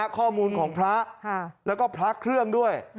ข้อมูลของพระแล้วก็พระเครื่องด้วย